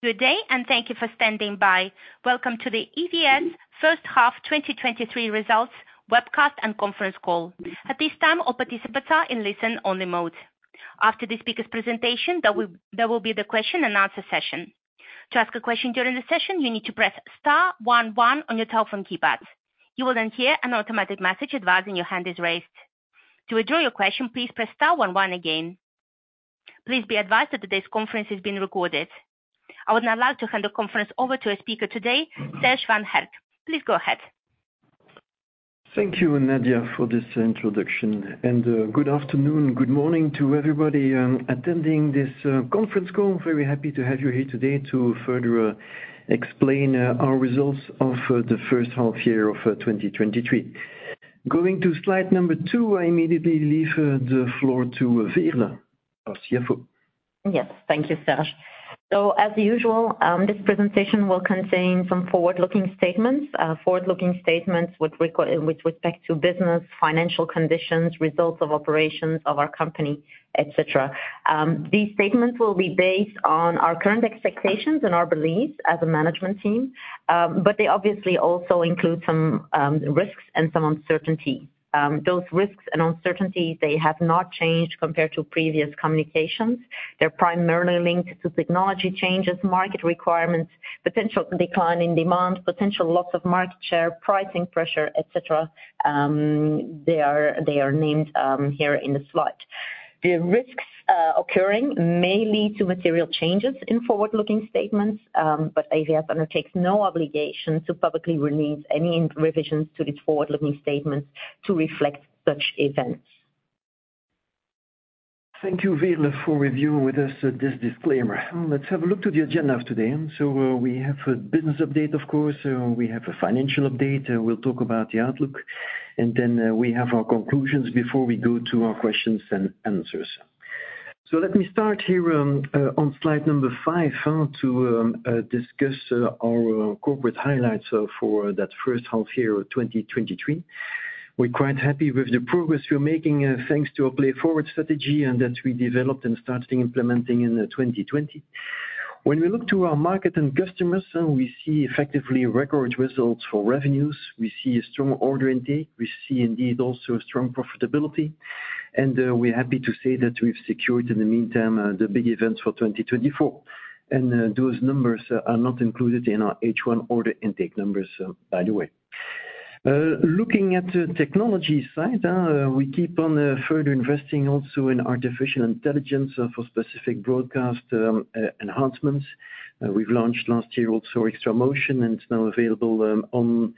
Good day. Thank you for standing by. Welcome to the EVS first half 2023 results webcast and conference call. At this time, all participants are in listen-only mode. After the speaker's presentation, there will be the question and answer session. To ask a question during the session, you need to press star 11 on your telephone keypad. You will hear an automatic message advising your hand is raised. To withdraw your question, please press star 11 again. Please be advised that today's conference is being recorded. I would now like to hand the conference over to our speaker today, Serge Van Herck. Please go ahead. Thank you, Nadia, for this introduction. Good afternoon, good morning to everybody, attending this conference call. Very happy to have you here today to further explain our results of the first half year of 2023. Going to slide number 2, I immediately leave the floor to Veerle, our CFO. Yes, thank you, Serge. As usual, this presentation will contain some forward-looking statements. Forward-looking statements with respect to business, financial conditions, results of operations of our company, et cetera. These statements will be based on our current expectations and our beliefs as a management team, but they obviously also include some risks and some uncertainty. Those risks and uncertainty, they have not changed compared to previous communications. They're primarily linked to technology changes, market requirements, potential decline in demand, potential loss of market share, pricing pressure, et cetera. They are, they are named here in the slide. The risks occurring may lead to material changes in forward-looking statements, but EVS undertakes no obligation to publicly release any revisions to these forward-looking statements to reflect such events. Thank you, Veerle, for reviewing with us this disclaimer. Let's have a look to the agenda of today. We have a business update, of course. We have a financial update, we'll talk about the outlook, we have our conclusions before we go to our questions and answers. Let me start here on slide 5 to discuss our corporate highlights for that H1 of 2023. We're quite happy with the progress we're making thanks to our PLAYForward strategy that we developed and started implementing in 2020. When we look to our market and customers, we see effectively record results for revenues. We see a strong order intake. We see indeed also a strong profitability, and we're happy to say that we've secured, in the meantime, the big events for 2024. Those numbers are not included in our H1 order intake numbers, by the way. Looking at the technology side, we keep on further investing also in artificial intelligence for specific broadcast enhancements. We've launched last year also XtraMotion, and it's now available on,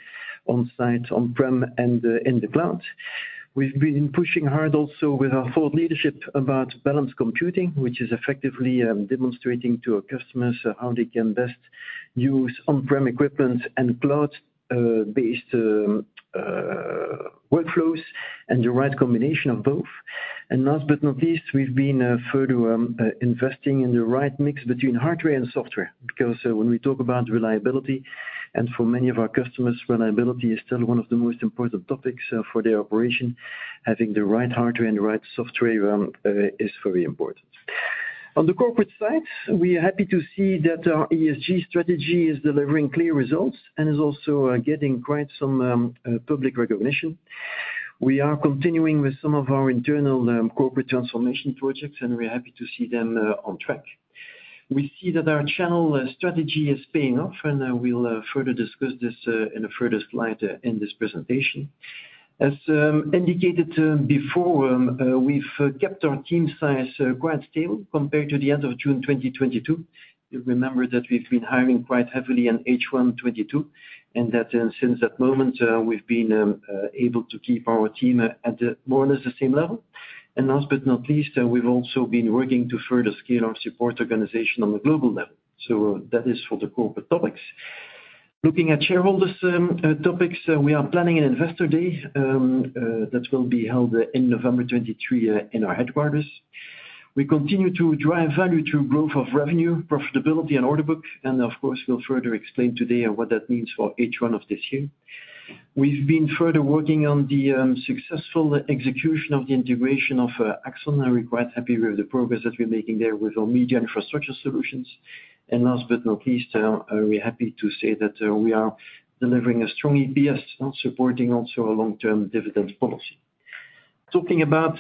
on site, on-prem, and in the cloud. We've been pushing hard also with our thought leadership about Balanced Computing, which is effectively demonstrating to our customers how they can best use on-prem equipment and cloud based workflows, and the right combination of both. Last but not least, we've been further investing in the right mix between hardware and software. Because when we talk about reliability, and for many of our customers, reliability is still one of the most important topics, for their operation, having the right hardware and the right software, is very important. On the corporate side, we are happy to see that our ESG strategy is delivering clear results and is also getting quite some public recognition. We are continuing with some of our internal corporate transformation projects, and we're happy to see them on track. We see that our channel strategy is paying off, and we'll further discuss this in a further slide in this presentation. As indicated before, we've kept our team size quite stable compared to the end of June 2022. You'll remember that we've been hiring quite heavily in H1 2022, and that, since that moment, we've been able to keep our team at the more or less the same level. Last but not least, we've also been working to further scale our support organization on a global level. That is for the corporate topics. Looking at shareholders, topics, we are planning an investor day that will be held in November 2023 in our headquarters. We continue to drive value through growth of revenue, profitability, and order book, and of course, we'll further explain today what that means for H1 of this year. We've been further working on the successful execution of the integration of Axon, and we're quite happy with the progress that we're making there with our media infrastructure solutions. Last but not least, we're happy to say that we are delivering a strong EPS, supporting also a long-term dividend policy. Talking about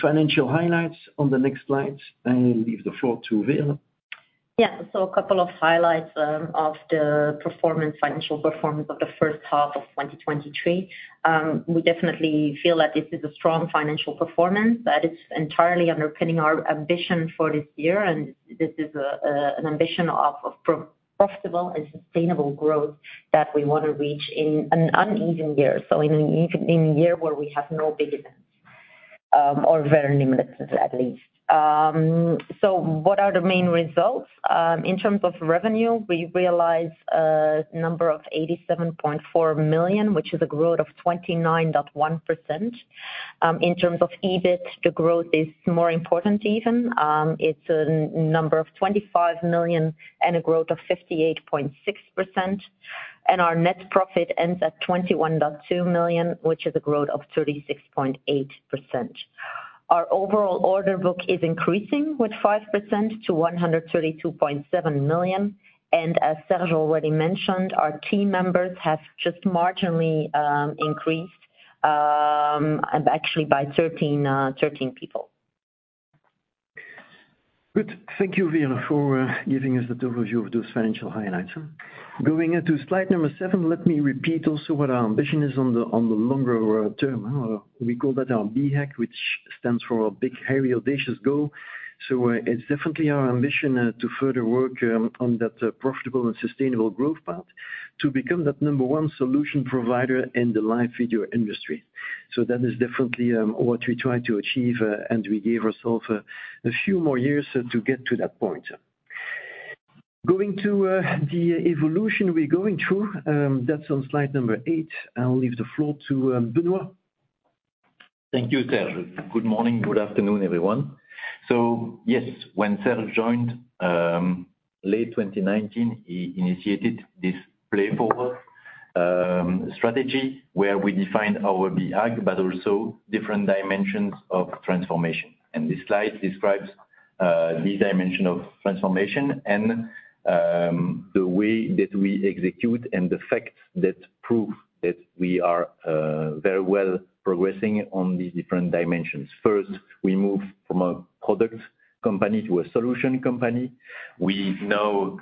financial highlights on the next slide, I leave the floor to Veerle. A couple of highlights of the performance, financial performance of H1 2023. We definitely feel that this is a strong financial performance, that it's entirely underpinning our ambition for this year, and this is an ambition of profitable and sustainable growth that we want to reach in an uneven year. In a year where we have no big events, or very limited at least. What are the main results? In terms of revenue, we realized a number of 87.4 million, which is a growth of 29.1%. In terms of EBIT, the growth is more important even. It's a number of 25 million and a growth of 58.6%, and our net profit ends at 21.2 million, which is a growth of 36.8%. Our overall order book is increasing with 5% to 132.7 million. As Serge already mentioned, our team members have just marginally increased, and actually by 13, 13 people. Good. Thank you, Veerle, for giving us the overview of those financial highlights. Going into slide number 7, let me repeat also what our ambition is on the, on the longer term. We call that our BHAG, which stands for our Big Hairy Audacious Goal. It's definitely our ambition to further work on that profitable and sustainable growth path, to become that number 1 solution provider in the live video industry. That is definitely what we try to achieve, and we gave ourselves a few more years to get to that point. Going to the evolution we're going through, that's on slide number 8. I'll leave the floor to Benoît. Thank you, Serge. Good morning. Good afternoon, everyone. Yes, when Serge joined, late 2019, he initiated this PLAYForward strategy, where we defined our BHAG, but also different dimensions of transformation. This slide describes the dimension of transformation and the way that we execute and the facts that prove that we are very well progressing on these different dimensions. First, we move from a product company to a solution company. We now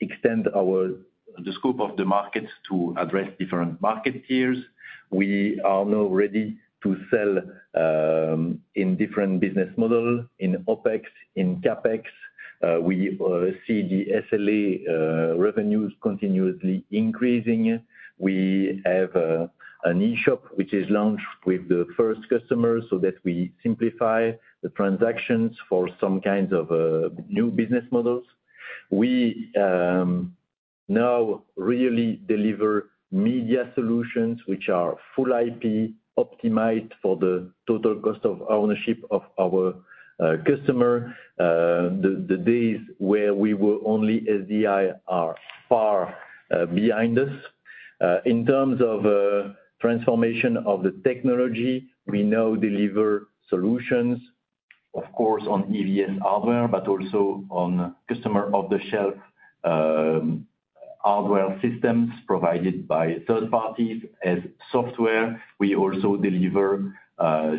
extend the scope of the market to address different market tiers. We are now ready to sell in different business model, in OpEx, in CapEx. We see the SLA Revenue continuously increasing. We have an e-shop, which is launched with the first customer, so that we simplify the transactions for some kinds of new business models. We now really deliver media solutions, which are full IP, optimized for the total cost of ownership of our customer. The days where we were only SDI are far behind us. In terms of transformation of the technology, we now deliver solutions, of course, on EVS hardware, but also on customer off-the-shelf hardware systems provided by third parties. As software, we also deliver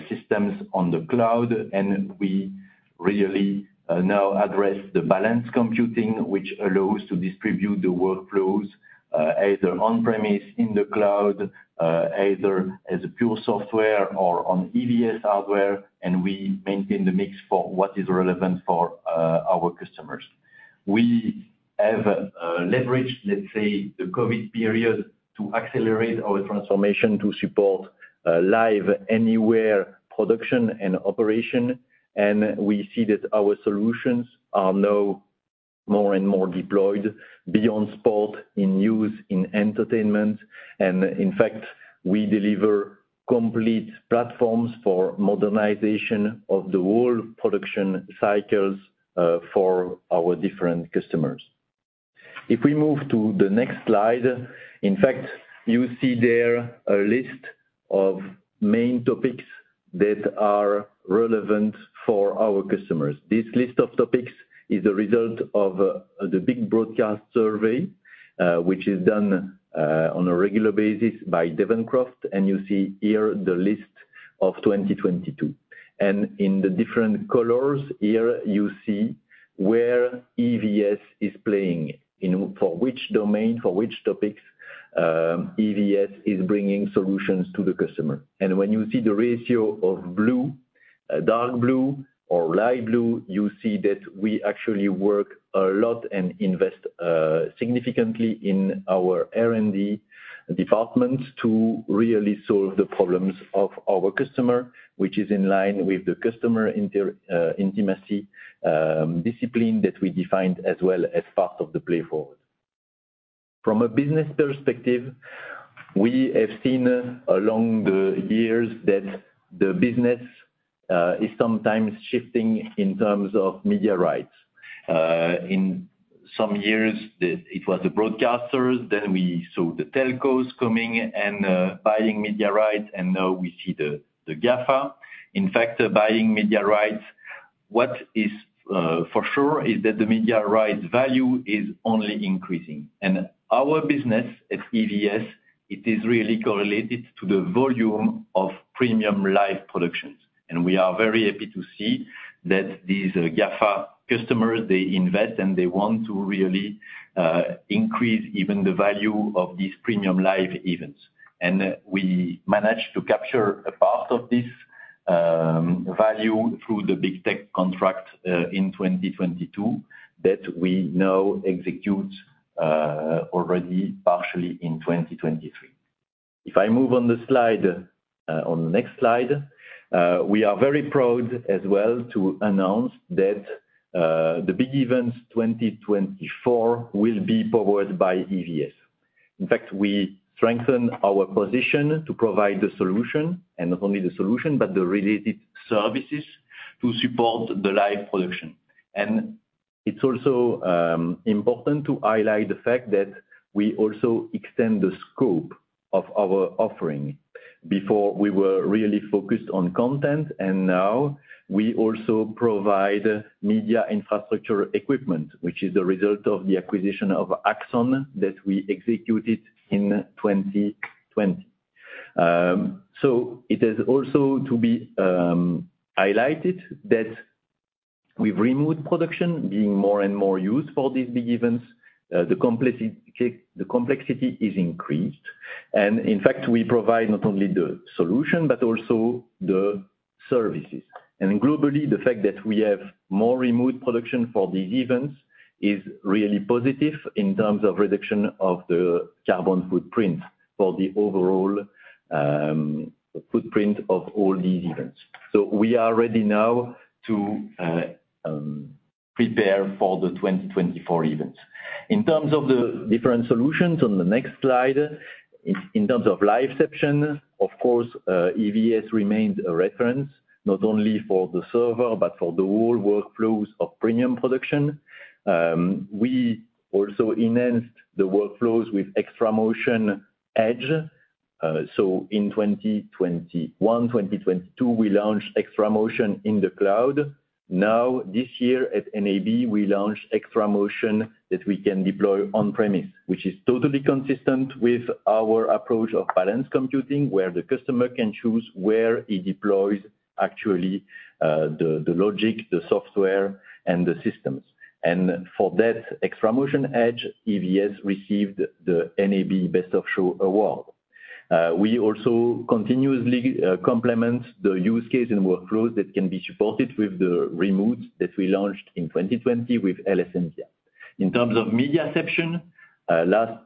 systems on the cloud, and we really now address the Balanced Computing, which allows to distribute the workflows either on-premises, in the cloud, either as a pure software or on EVS hardware, and we maintain the mix for what is relevant for our customers. We have leveraged, let's say, the COVID period, to accelerate our transformation to support live anywhere production and operation. We see that our solutions are now more and more deployed beyond sport, in news, in entertainment. In fact, we deliver complete platforms for modernization of the whole production cycles for our different customers. If we move to the next slide, in fact, you see there a list of main topics that are relevant for our customers. This list of topics is a result of the Big Broadcast Survey, which is done on a regular basis by Devoncroft. You see here the list of 2022. In the different colors, here you see where EVS is playing, for which domain, for which topics, EVS is bringing solutions to the customer. When you see the ratio of blue, dark blue or light blue, you see that we actually work a lot and invest significantly in our R&D departments to really solve the problems of our customer, which is in line with the customer intimacy discipline that we defined as well as part of the PLAYForward. From a business perspective, we have seen along the years that the business is sometimes shifting in terms of media rights. In some years, the, it was the broadcasters, then we saw the telcos coming and buying media rights, and now we see the, the GAFA, in fact, buying media rights. What is for sure is that the media rights value is only increasing. Our business at EVS, it is really correlated to the volume of premium live productions, and we are very happy to see that these GAFA customers, they invest, and they want to really increase even the value of these premium live events. We managed to capture a part of this value through the big tech contract in 2022, that we now execute already partially in 2023. If I move on the slide, on the next slide, we are very proud as well to announce that the Big Events 2024 will be powered by EVS. In fact, we strengthen our position to provide the solution, and not only the solution, but the related services to support the live production. It's also important to highlight the fact that we also extend the scope of our offering. Before, we were really focused on content, and now we also provide media infrastructure equipment, which is the result of the acquisition of Axon that we executed in 2020. It is also to be highlighted that with remote production being more and more used for these big events, the complicity, the complexity is increased. In fact, we provide not only the solution but also the services. Globally, the fact that we have more remote production for these events is really positive in terms of reduction of the carbon footprint for the overall footprint of all these events. We are ready now to prepare for the 2024 events. In terms of the different solutions on the next slide, in, in terms of LiveCeption, of course, EVS remains a reference, not only for the server, but for the whole workflows of premium production. We also enhanced the workflows with XtraMotion Edge. In 2021, 2022, we launched XtraMotion in the cloud. Now, this year at NAB, we launched XtraMotion that we can deploy on premise, which is totally consistent with our approach of Balanced Computing, where the customer can choose where he deploys actually, the, the logic, the software, and the systems. For that XtraMotion Edge, EVS received the NAB Best of Show award. We also continuously complement the use case and workflows that can be supported with the remote that we launched in 2020 with LSM-VIA. In terms of MediaCeption, last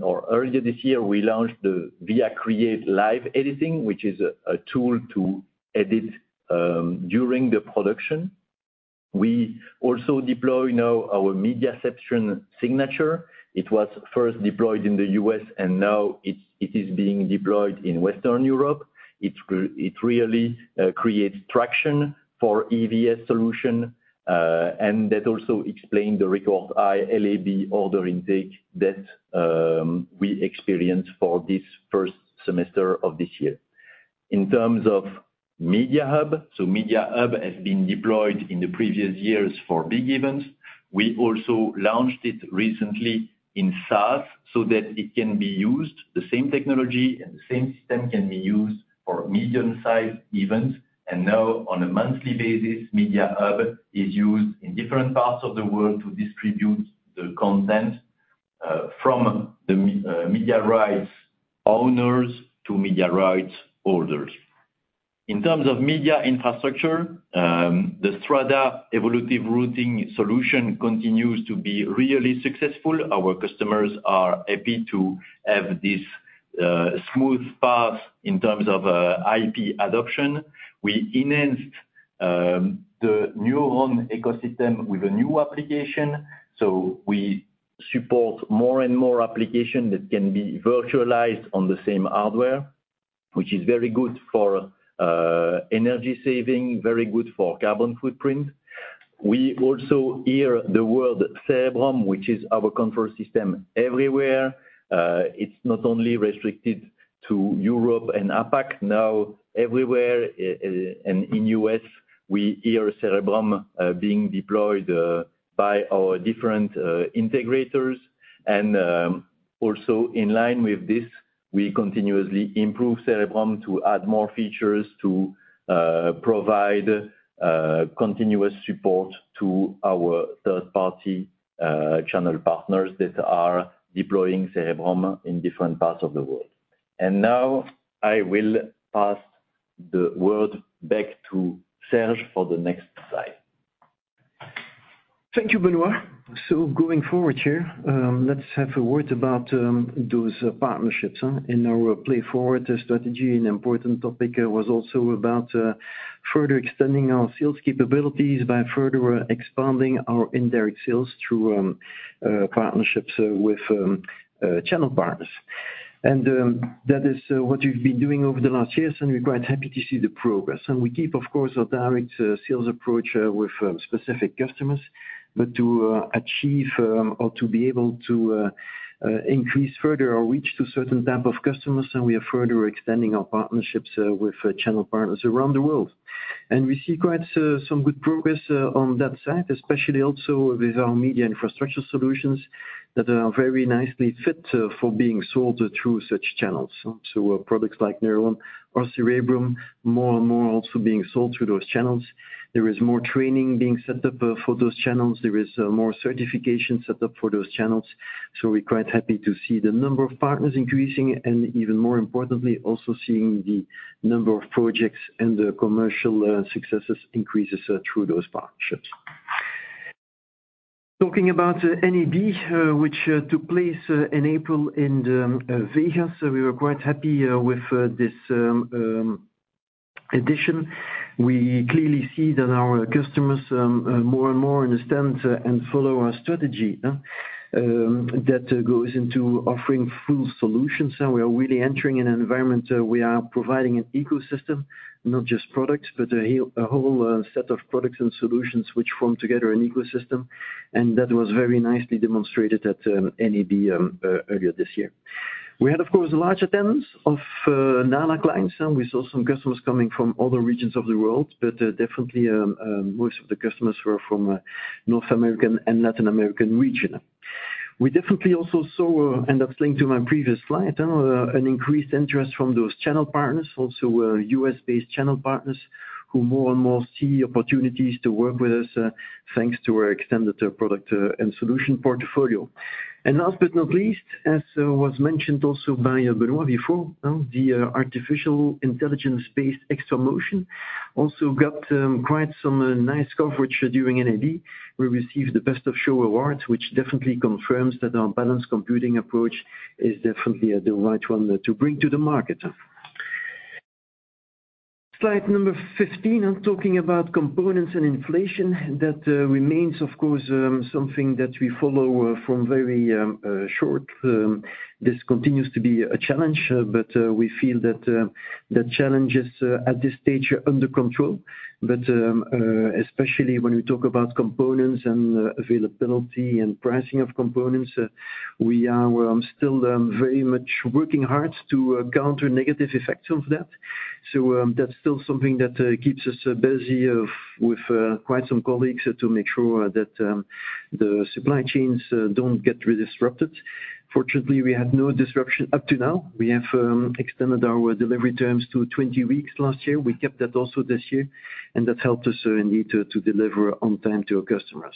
or earlier this year, we launched the VIA Create live editing, which is a, a tool to edit during the production. We also deploy now our MediaCeption signature. It was first deployed in the U.S., and now it's, it is being deployed in Western Europe. It's it really creates traction for EVS solution, and that also explained the record high LAB order intake that we experienced for this first semester of this year. In terms of MediaHub, MediaHub has been deployed in the previous years for big events. We also launched it recently in SaaS, so that it can be used, the same technology and the same system can be used for medium-sized events. Now, on a monthly basis, MediaHub is used in different parts of the world to distribute the content from the media rights owners to media rights holders. In terms of media infrastructure, the MediaInfra Strada continues to be really successful. Our customers are happy to have this smooth path in terms of IP adoption. We enhanced the Neuron ecosystem with a new application, so we support more and more application that can be virtualized on the same hardware, which is very good for energy saving, very good for carbon footprint. We also hear the word Cerebrum, which is our control system everywhere. It's not only restricted to Europe and APAC, now, everywhere, and in U.S., we hear Cerebrum being deployed by our different integrators. Also in line with this, we continuously improve Cerebrum to add more features, to provide continuous support to our third-party channel partners that are deploying Cerebrum in different parts of the world. Now, I will pass the word back to Serge for the next slide. Thank you, Benoît. Going forward here, let's have a word about those partnerships, huh? In our PLAYForward strategy, an important topic was also about further extending our sales capabilities by further expanding our indirect sales through partnerships with channel partners. That is what we've been doing over the last years, and we're quite happy to see the progress. We keep, of course, our direct sales approach with specific customers. To achieve or to be able to increase further our reach to certain type of customers, and we are further extending our partnerships with channel partners around the world. We see quite some good progress on that side, especially also with our media infrastructure solutions that are very nicely fit for being sold through such channels. Products like Neuron or Cerebrum, more and more also being sold through those channels. There is more training being set up for those channels. There is more certification set up for those channels. We're quite happy to see the number of partners increasing, and even more importantly, also seeing the number of projects and the commercial successes increases through those partnerships. Talking about NAB, which took place in April, in Vegas, we were quite happy with this addition. We clearly see that our customers more and more understand and follow our strategy. That goes into offering full solutions, and we are really entering an environment, we are providing an ecosystem, not just products, but a whole set of products and solutions which form together an ecosystem. That was very nicely demonstrated at NAB earlier this year. We had, of course, a large attendance of NALA clients, and we saw some customers coming from other regions of the world, but definitely most of the customers were from North American and Latin American region. We definitely also saw, and that's linked to my previous slide, an increased interest from those channel partners, also, US-based channel partners, who more and more see opportunities to work with us thanks to our extended product and solution portfolio. And last but not least, as was mentioned also by Benoît before, the artificial intelligence-based XtraMotion also got quite some nice coverage during NAB. We received the Best of Show award, which definitely confirms that our Balanced Computing approach is definitely the right one to bring to the market. Slide number 15, I'm talking about components and inflation. That remains, of course, something that we follow from very short. This continues to be a challenge, but we feel that the challenges at this stage are under control. But especially when we talk about components and availability and pricing of components, we are still very much working hard to counter negative effects of that. That's still something that keeps us busy with quite some colleagues to make sure that the supply chains don't get really disrupted. Fortunately, we had no disruption up to now. We have extended our delivery terms to 20 weeks last year. We kept that also this year, and that helped us indeed to deliver on time to our customers.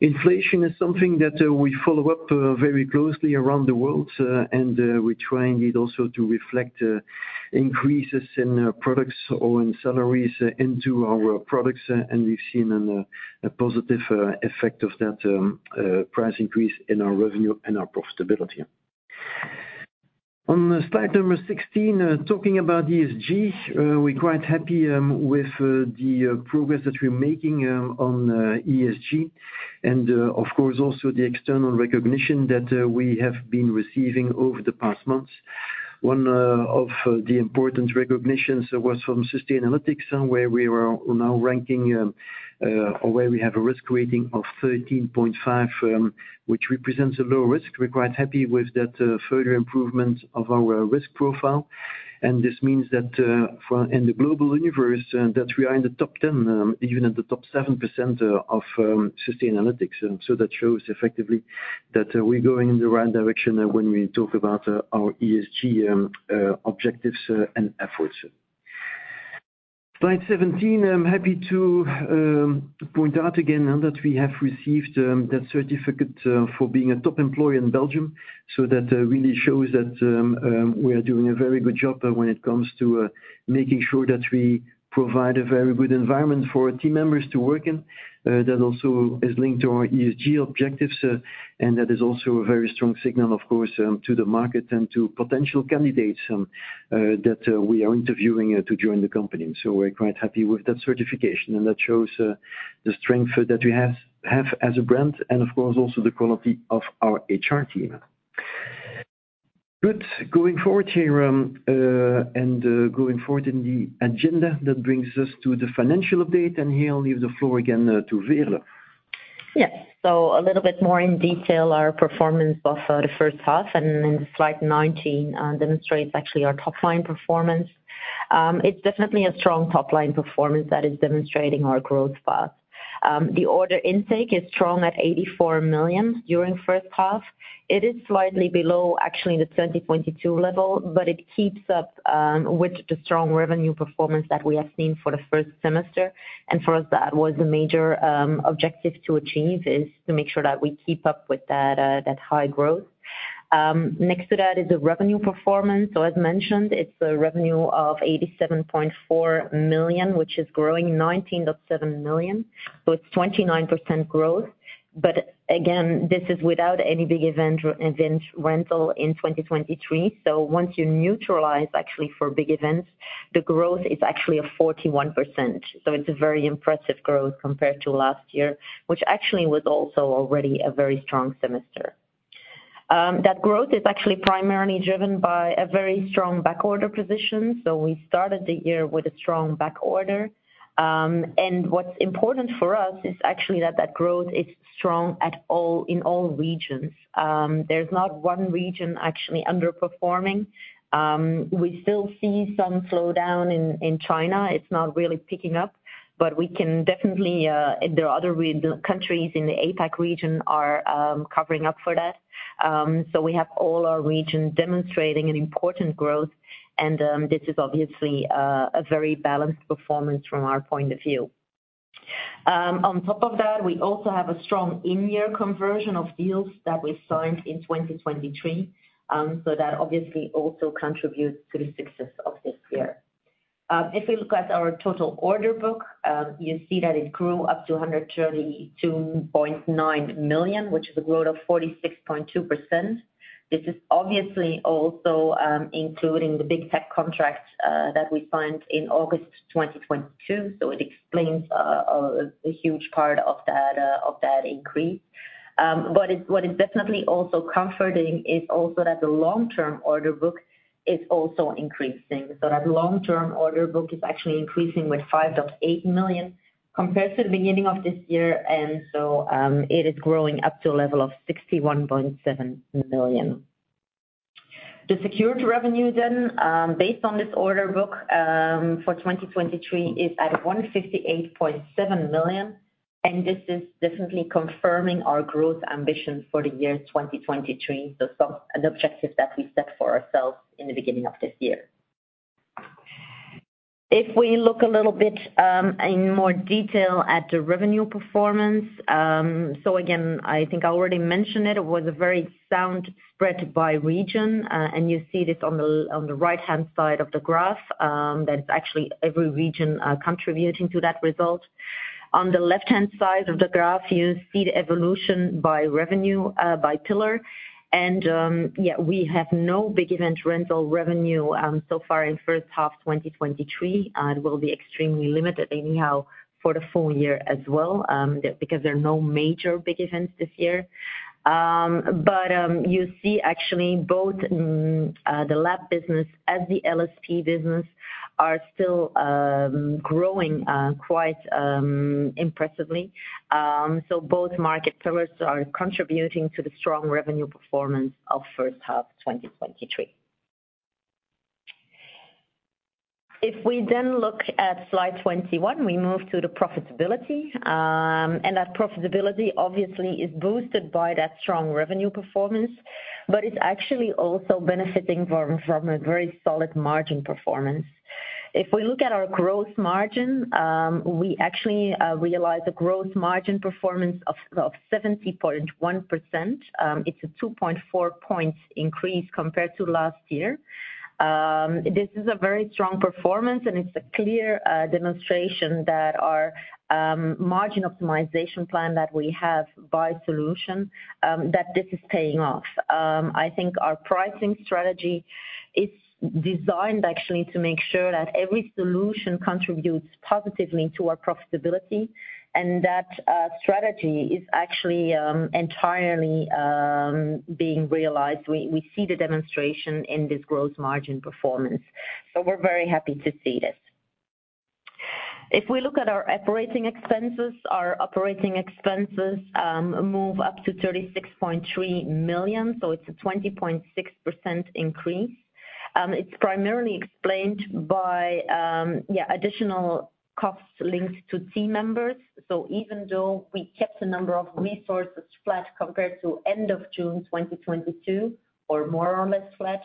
Inflation is something that we follow up very closely around the world, and we try indeed also to reflect increases in products or in salaries into our products, and we've seen a positive effect of that price increase in our revenue and our profitability. On slide number 16, talking about ESG, we're quite happy with the progress that we're making on ESG, and of course, also the external recognition that we have been receiving over the past months. One of the important recognitions was from Sustainalytics, where we are now ranking or where we have a risk rating of 13.5, which represents a low risk. We're quite happy with that further improvement of our risk profile. This means that in the global universe, that we are in the top 10, even in the top 7% of Sustainalytics. That shows effectively that we're going in the right direction when we talk about our ESG objectives and efforts. Slide 17, I'm happy to point out again now that we have received that certificate for being a Top Employer in Belgium. That really shows that we are doing a very good job when it comes to making sure that we provide a very good environment for our team members to work in. That also is linked to our ESG objectives, and that is also a very strong signal, of course, to the market and to potential candidates that we are interviewing to join the company. We're quite happy with that certification, and that shows the strength that we have, have as a brand, and of course, also the quality of our HR team. Good. Going forward here, and going forward in the agenda, that brings us to the financial update, and here I'll leave the floor again to Veerle. Yes. A little bit more in detail, our performance of the first half, and in slide 19, demonstrates actually our top-line performance. It's definitely a strong top-line performance that is demonstrating our growth path. The order intake is strong at 84 million during first half. It is slightly below actually the 2022 level, but it keeps up with the strong revenue performance that we have seen for the first semester. For us, that was a major objective to achieve, is to make sure that we keep up with that high growth. Next to that is the revenue performance. As mentioned, it's a revenue of 87.4 million, which is growing 19.7 million, so it's 29% growth. Again, this is without any Big Event Rental in 2023. Once you neutralize actually for big events, the growth is actually a 41%. It's a very impressive growth compared to last year, which actually was also already a very strong semester. That growth is actually primarily driven by a very strong backorder position, so we started the year with a strong backorder. What's important for us is actually that, that growth is strong at all, in all regions. There's not one region actually underperforming. We still see some slowdown in China. It's not really picking up, but we can definitely. There are other countries in the APAC region are covering up for that. We have all our regions demonstrating an important growth, and this is obviously a very balanced performance from our point of view. On top of that, we also have a strong in-year conversion of deals that we signed in 2023, so that obviously also contributes to the success of this year. If we look at our total order book, you see that it grew up to 132.9 million, which is a growth of 46.2%. This is obviously also including the big tech contracts that we signed in August 2022, so it explains a huge part of that of that increase. But it, what is definitely also comforting is also that the long-term order book is also increasing. That long-term order book is actually increasing with 5.8 million compared to the beginning of this year, and so, it is growing up to a level of 61.7 million. The secured revenue, based on this order book, for 2023, is at 158.7 million, and this is definitely confirming our growth ambition for the year 2023. Some, an objective that we set for ourselves in the beginning of this year. If we look a little bit in more detail at the revenue performance, again, I think I already mentioned it, it was a very sound spread by region, and you see this on the, on the right-hand side of the graph. That's actually every region contributing to that result. On the left-hand side of the graph, you see the evolution by revenue by pillar, and we have no Big Event Rental revenue so far in first half 2023, and will be extremely limited anyhow for the full year as well, because there are no major big events this year. You see actually both the LAB business as the LSP business are still growing quite impressively. Both market pillars are contributing to the strong revenue performance of first half 2023. If we then look at slide 21, we move to the profitability. That profitability obviously is boosted by that strong revenue performance, but it's actually also benefiting from a very solid margin performance. If we look at our gross margin, we actually realize a gross margin performance of 70.1%. It's a 2.4 points increase compared to last year. This is a very strong performance, and it's a clear demonstration that our margin optimization plan that we have by solution, that this is paying off. I think our pricing strategy is designed actually to make sure that every solution contributes positively to our profitability, and that strategy is actually entirely being realized. We see the demonstration in this gross margin performance. We're very happy to see this. If we look at our operating expenses, our operating expenses move up to 36.3 million. It's a 20.6% increase. It's primarily explained by additional costs linked to team members. Even though we kept the number of resources flat compared to end of June 2022, or more or less flat,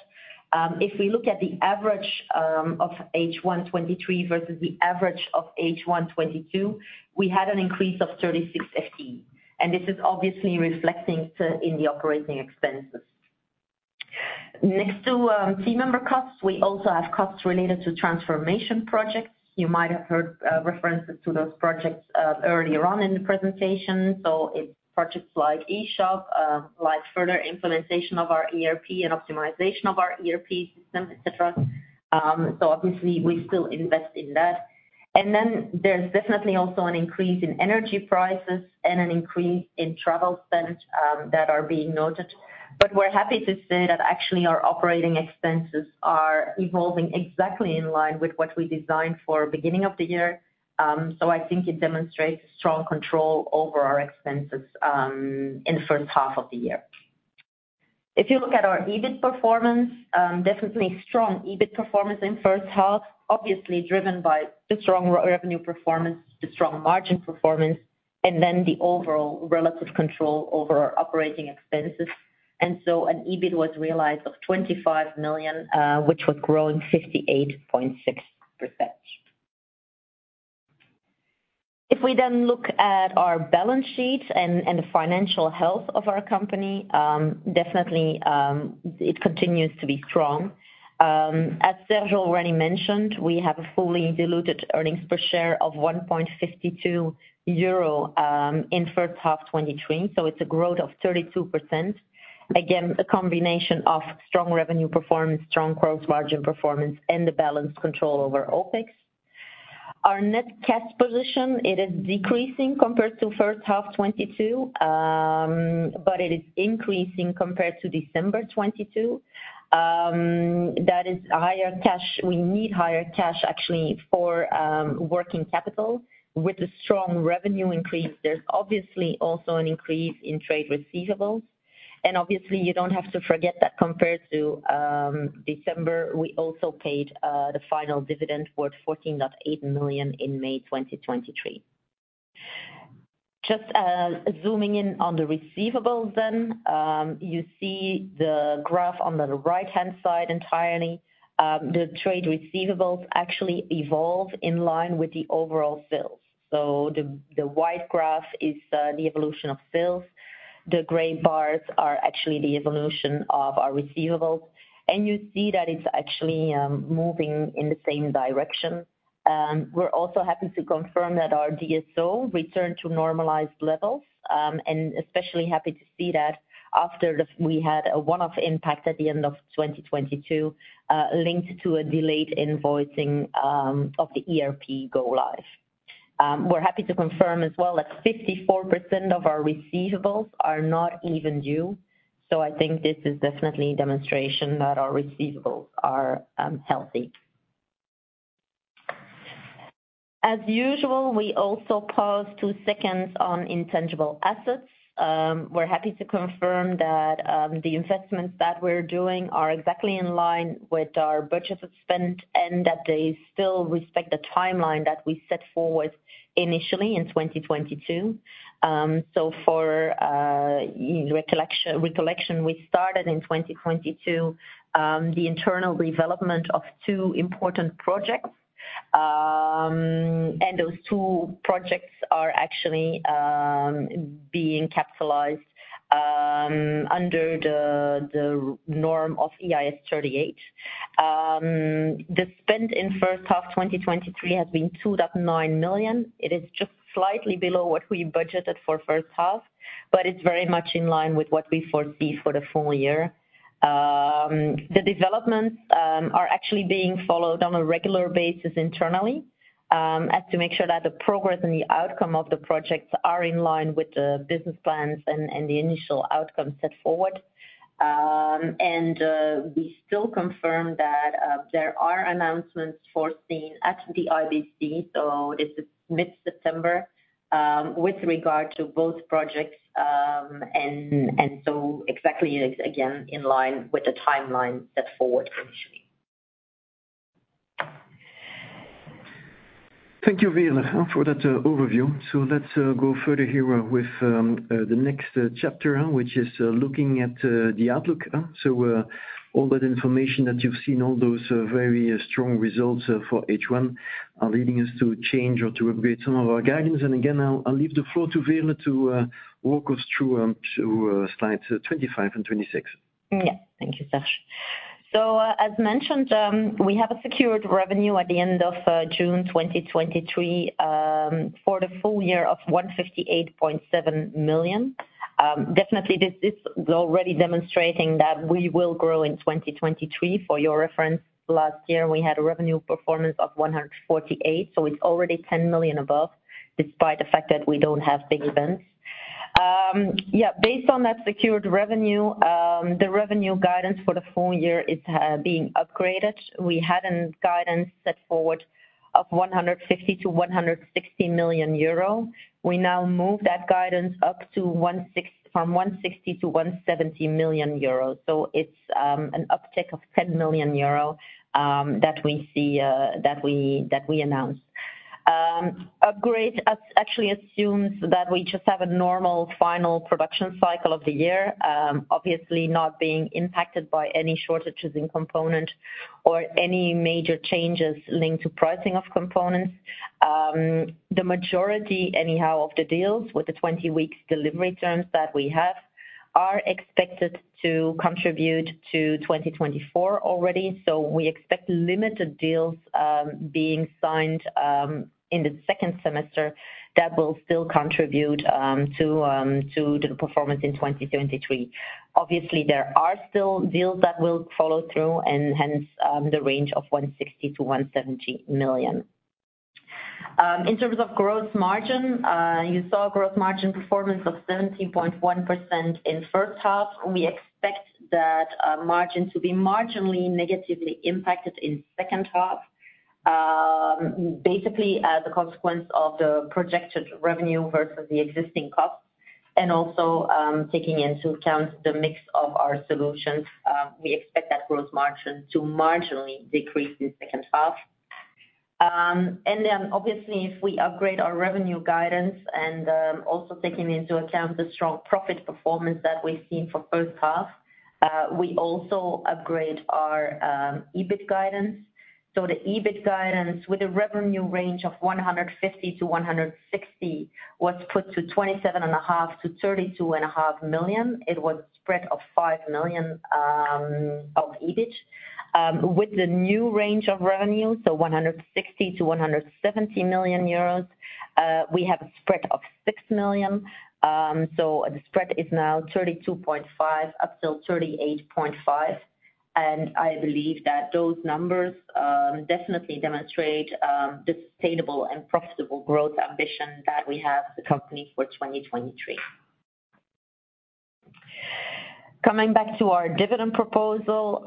if we look at the average of H1 2023 versus the average of H1 2022, we had an increase of 3,650, and this is obviously reflecting to, in the operating expenses. Next to team member costs, we also have costs related to transformation projects. You might have heard references to those projects earlier on in the presentation. It's projects like eShop, like further implementation of our ERP and optimization of our ERP system, et cetera. Obviously, we still invest in that. There's definitely also an increase in energy prices and an increase in travel spend that are being noted. We're happy to say that actually, our operating expenses are evolving exactly in line with what we designed for beginning of the year. I think it demonstrates strong control over our expenses, in the first half of the year. If you look at our EBIT performance, definitely strong EBIT performance in first half, obviously driven by the strong revenue performance, the strong margin performance, and then the overall relative control over our operating expenses. An EBIT was realized of 25 million, which was growing 58.6%. If we look at our balance sheet and, and the financial health of our company, definitely, it continues to be strong. As Serge already mentioned, we have a fully diluted earnings per share of 1.52 euro in H1 2023, it's a growth of 32%. Again, a combination of strong revenue performance, strong gross margin performance, and the balanced control over OpEx. Our net cash position, it is decreasing compared to H1 2022, it is increasing compared to December 2022. That is higher cash. We need higher cash, actually, for working capital. With the strong revenue increase, there's obviously also an increase in trade receivables. Obviously, you don't have to forget that compared to December, we also paid the final dividend worth 14.8 million in May 2023. Just zooming in on the receivables then, you see the graph on the right-hand side entirely. The trade receivables actually evolve in line with the overall sales. The, the white graph is the evolution of sales. The gray bars are actually the evolution of our receivables, and you see that it's actually moving in the same direction. We're also happy to confirm that our DSO returned to normalized levels, and especially happy to see that after we had a one-off impact at the end of 2022, linked to a delayed invoicing, of the ERP go live. We're happy to confirm as well that 54% of our receivables are not even due, so I think this is definitely a demonstration that our receivables are healthy. As usual, we also pause two seconds on intangible assets. We're happy to confirm that the investments that we're doing are exactly in line with our budget of spend, and that they still respect the timeline that we set forward initially in 2022. For recollection, we started in 2022 the internal development of two important projects. Those two projects are actually being capitalized under the norm of IAS 38. The spend in H1 2023 has been 2.9 million. It is just slightly below what we budgeted for H1, but it's very much in line with what we foresee for the full year. The developments are actually being followed on a regular basis internally as to make sure that the progress and the outcome of the projects are in line with the business plans and the initial outcomes set forward. We still confirm that there are announcements foreseen at the IBC, so this is mid-September, with regard to both projects. So exactly, again, in line with the timeline set forward initially. Thank you, Veerle, for that overview. Let's go further here with the next chapter, which is looking at the outlook. All that information that you've seen, all those very strong results for H1, are leading us to change or to upgrade some of our guidance. Again, I'll leave the floor to Veerle to walk us through through slides 25 and 26. Yeah. Thank you, Serge. As mentioned, we have a secured revenue at the end of June 2023 for the full year of 158.7 million. Definitely this is already demonstrating that we will grow in 2023. For your reference, last year, we had a revenue performance of 148 million, so it's already 10 million above, despite the fact that we don't have big events. Based on that secured revenue, the revenue guidance for the full year is being upgraded. We had a guidance set forward of 150 million-160 million euro. We now move that guidance up from 160 million-170 million euro. It's an uptick of 10 million euro that we announce. Upgrade actually assumes that we just have a normal final production cycle of the year, obviously not being impacted by any shortages in component or any major changes linked to pricing of components. The majority, anyhow, of the deals with the 20-week delivery terms that we have, are expected to contribute to 2024 already. We expect limited deals being signed in the second semester that will still contribute to the performance in 2023. Obviously, there are still deals that will follow through, and hence, the range of 160 million-170 million. In terms of gross margin, you saw gross margin performance of 17.1% in H1. We expect that margin to be marginally negatively impacted in H2. Basically, as a consequence of the projected revenue versus the existing costs, taking into account the mix of our solutions, we expect that gross margin to marginally decrease in second half. Obviously, if we upgrade our revenue guidance, also taking into account the strong profit performance that we've seen for first half, we also upgrade our EBIT guidance. The EBIT guidance, with a revenue range of 150 million-160 million, was put to 27.5 million-32.5 million. It was a spread of 5 million of EBIT. With the new range of revenue, 160 million-170 million euros, we have a spread of 6 million. The spread is now 32.5, up till 38.5, I believe that those numbers definitely demonstrate the sustainable and profitable growth ambition that we have the company for 2023. Coming back to our dividend proposal,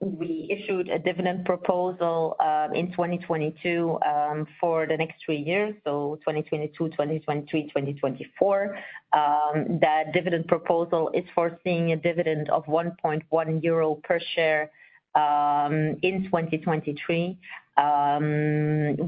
we issued a dividend proposal in 2022 for the next three years, 2022, 2023, 2024. That dividend proposal is foreseeing a dividend of 1.1 euro per share in 2023.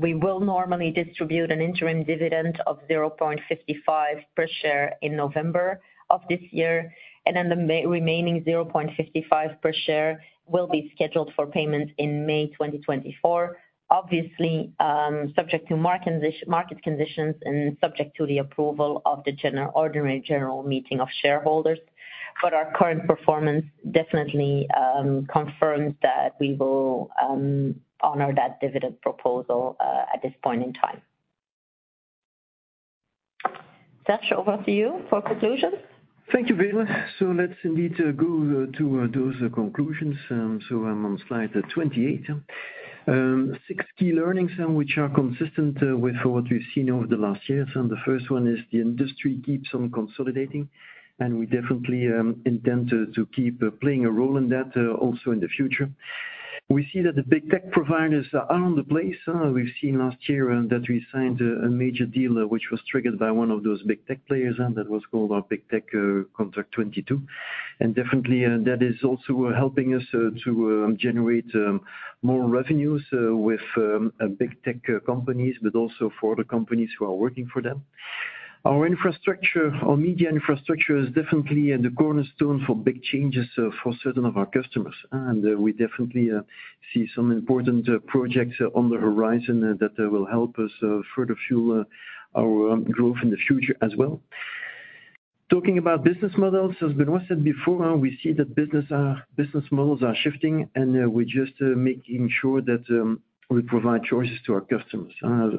We will normally distribute an interim dividend of 0.55 per share in November of this year, the remaining 0.55 per share will be scheduled for payment in May 2024. Obviously, subject to market conditions subject to the approval of the ordinary general meeting of shareholders. Our current performance definitely confirms that we will honor that dividend proposal at this point in time. Serge, over to you for conclusions. Thank you, Veerle. Let's indeed go to those conclusions. I'm on slide 28. 6 key learnings, which are consistent with what we've seen over the last years. The first one is the industry keeps on consolidating, and we definitely intend to keep playing a role in that also in the future. We see that the big tech providers are on the place. We've seen last year that we signed a major deal which was triggered by one of those big tech players, and that was called our Big Tech Contract 22. Definitely, that is also helping us to generate more revenues with big tech companies, but also for the companies who are working for them. Our infrastructure, our media infrastructure is definitely the cornerstone for big changes for certain of our customers. We definitely see some important projects on the horizon that will help us further fuel our growth in the future as well. Talking about business models, as Benoît said before, we see that business models are shifting, we're just making sure that we provide choices to our customers.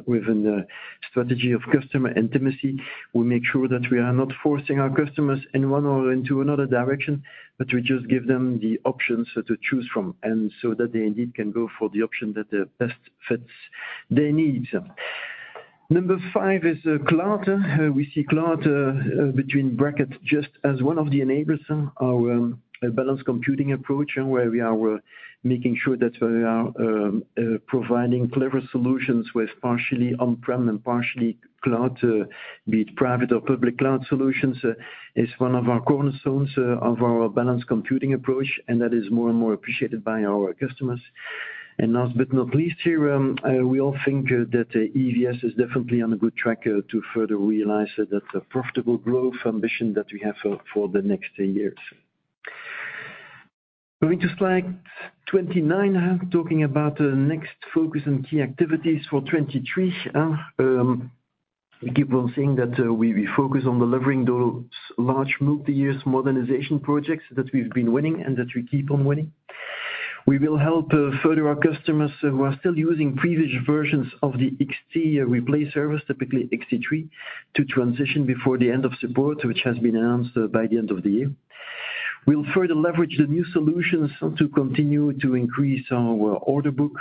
Within the strategy of customer intimacy, we make sure that we are not forcing our customers in one or into another direction, but we just give them the options so to choose from, and so that they indeed can go for the option that best fits their needs. Number five is cloud. We see cloud, between brackets, just as one of the enablers, our, Balanced Computing approach, and where we are making sure that we are providing clever solutions with partially on-prem and partially cloud, be it private or public cloud solutions, is one of our cornerstones, of our Balanced Computing approach, and that is more and more appreciated by our customers. Last but not least here, we all think, that EVS is definitely on a good track, to further realize, that the profitable growth ambition that we have for, for the next 10 years. Going to slide 29, talking about the next focus on key activities for 23. We keep on saying that we, we focus on delivering those large multi-year modernization projects that we've been winning and that we keep on winning. We will help further our customers who are still using previous versions of the XT replay service, typically XT3, to transition before the end of support, which has been announced by the end of the year. We'll further leverage the new solutions to continue to increase our order book.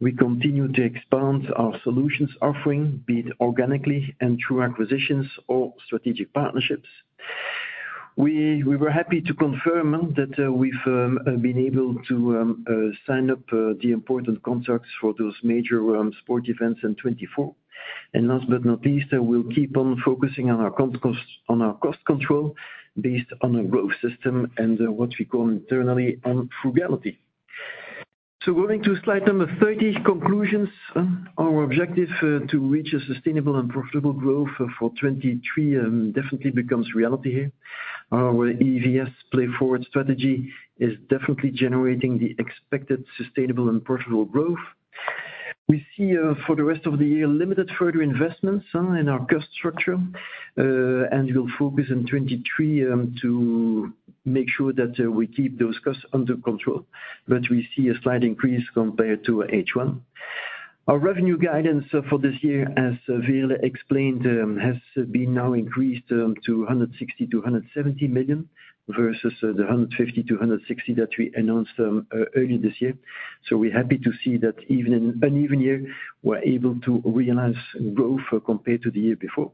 We continue to expand our solutions offering, be it organically and through acquisitions or strategic partnerships. We, we were happy to confirm that we've been able to sign up the important contracts for those major sport events in 2024. Last but not least, we'll keep on focusing on our cost control, based on a growth system and what we call internally, frugality. Going to slide number 30, conclusions. Our objective to reach a sustainable and profitable growth for 2023 definitely becomes reality here. Our EVS PLAYForward strategy is definitely generating the expected sustainable and profitable growth. We see for the rest of the year, limited further investments in our cost structure. We'll focus in 2023 to make sure that we keep those costs under control, but we see a slight increase compared to H1. Our revenue guidance for this year, as Veerle explained, has been now increased to 160 million-170 million, versus the 150 million-160 million that we announced earlier this year. We're happy to see that even in an even year, we're able to realize growth compared to the year before.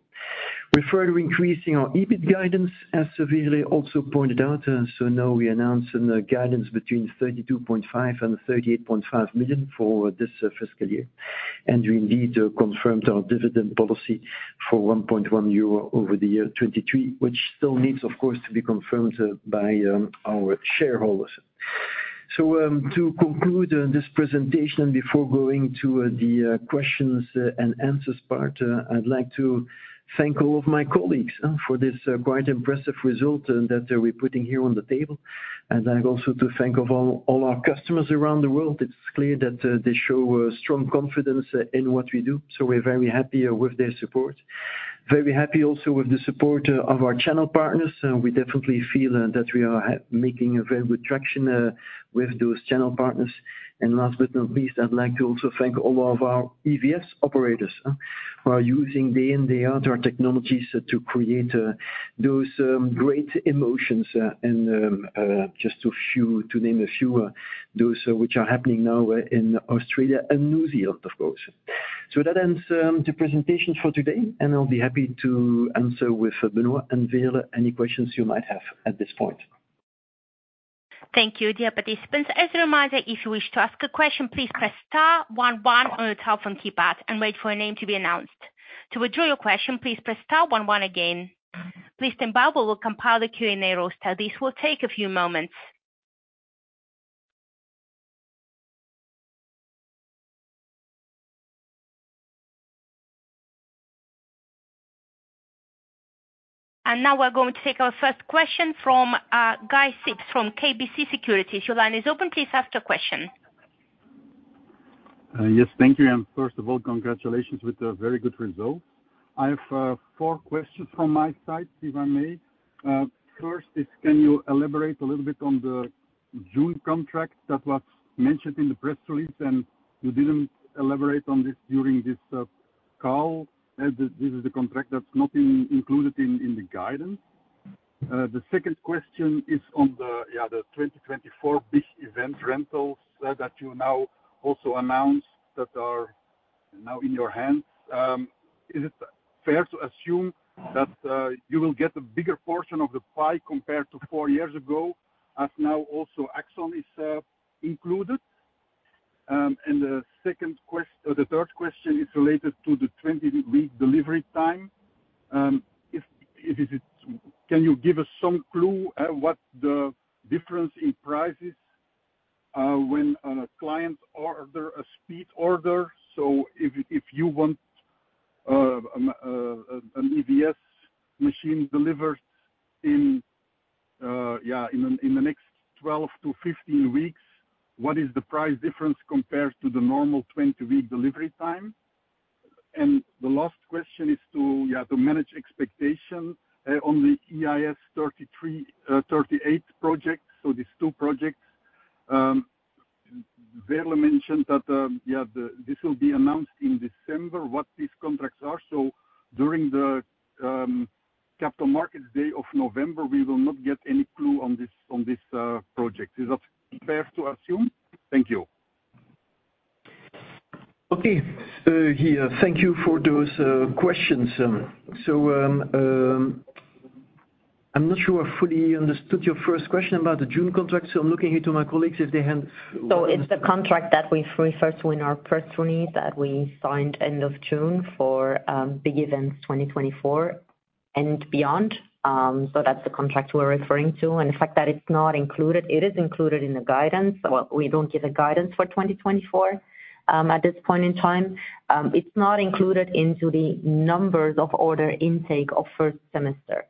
We're further increasing our EBIT guidance, as Veerle also pointed out, and so now we're announcing a guidance between 32.5 million and 38.5 million for this fiscal year. We indeed confirmed our dividend policy for 1.1 euro over the year 2023, which still needs, of course, to be confirmed by our shareholders. To conclude, this presentation before going to the questions and answers part, I'd like to thank all of my colleagues for this quite impressive result that we're putting here on the table. I'd also to thank of all, all our customers around the world. It's clear that they show strong confidence in what we do, so we're very happy with their support. Very happy also with the support of our channel partners, we definitely feel that we are making a very good traction with those channel partners. Last but not least, I'd like to also thank all of our EVS operators, who are using day in, day out, our technologies, to create those great emotions, and just to few, to name a few, those which are happening now in Australia and New Zealand, of course. That ends the presentation for today, and I'll be happy to answer with Benoit and Veerle, any questions you might have at this point. Thank you, dear participants. As a reminder, if you wish to ask a question, please press star one one on your telephone keypad and wait for your name to be announced. To withdraw your question, please press star one one again. Please stand by, we will compile the Q&A roster. This will take a few moments. Now we're going to take our first question from Guy Sips from KBC Securities. Your line is open, please ask your question. Yes, thank you. First of all, congratulations with a very good result. I have 4 questions from my side, if I may. First is, can you elaborate a little bit on the June contract that was mentioned in the press release, and you didn't elaborate on this during this call, as this is the contract that's not included in the guidance? The second question is on the 2024 big event rentals that you now also announced, that are now in your hands. Is it fair to assume that you will get a bigger portion of the pie compared to 4 years ago, as now also Axon is included? The third question is related to the 20-week delivery time. if, if is it, can you give us some clue at what the difference in price is when on a client order, a speed order, so if, if you want an EVS machine delivered in, yeah, in the next 12-15 weeks, what is the price difference compared to the normal 20-week delivery time? The last question is, you have to manage expectation on the IAS 38 projects. These two projects, Veerle mentioned that, yeah, this will be announced in December, what these contracts are. During the capital market day of November, we will not get any clue on this project. Is that fair to assume? Thank you. Okay. Yeah, thank you for those questions. I'm not sure I fully understood your first question about the June contract, so I'm looking here to my colleagues if they have- It's the contract that we referred to in our press release, that we signed end of June for big events 2024 and beyond. That's the contract we're referring to. The fact that it's not included, it is included in the guidance. We don't give a guidance for 2024 at this point in time. It's not included into the numbers of order intake of first semester.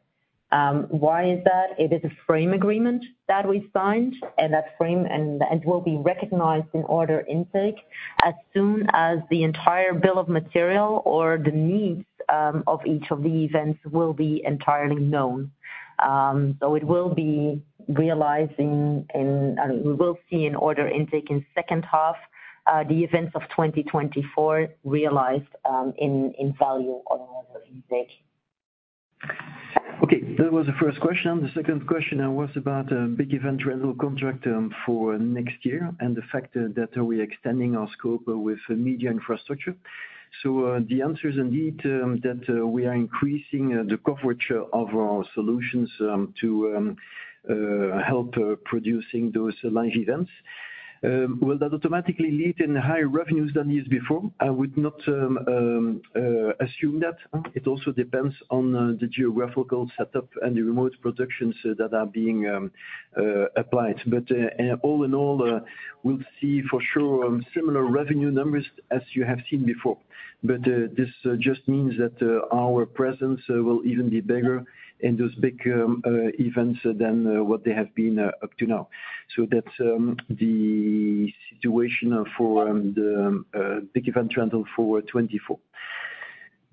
Why is that? It is a frame agreement that we signed, and that frame, and, and will be recognized in order intake as soon as the entire bill of material or the needs of each of the events will be entirely known. It will be realizing in, we will see an order intake in second half, the events of 2024, realized in, in value on order intake. Okay, that was the first question. The second question was about BER contract for next year, and the fact that we're extending our scope with media infrastructure. The answer is indeed that we are increasing the coverage of our solutions to help producing those live events. Will that automatically lead in higher revenues than years before? I would not assume that. It also depends on the geographical setup and the remote productions that are being applied. All in all, we'll see for sure similar revenue numbers as you have seen before. This just means that our presence will even be bigger in those big events than what they have been up to now. That's the situation for the big event trend for 2024.